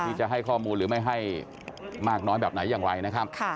จะให้ข้อมูลหรือไม่ให้มากน้อยแบบไหนอย่างไรนะครับ